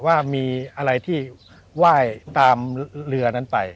ว่ามีอะไรที่ไหว้ตามเรือนั้นไป